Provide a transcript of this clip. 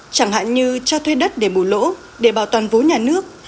chẳng hạn như cho thuê đất để bù lỗ để bảo toàn vốn nhà nước